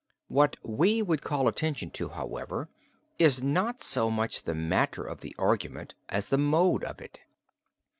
What we would call attention to, however, is not so much the matter of the argument as the mode of it.